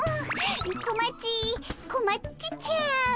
こまちこまっちちゃう。